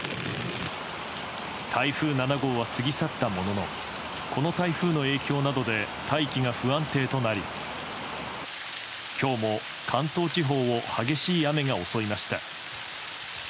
台風７号は過ぎ去ったもののこの台風の影響などで大気が不安定となり今日も関東地方を激しい雨が襲いました。